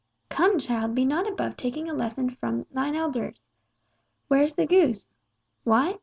"Come, child, be not above taking a lesson from thine elders! Where's the goose? What?"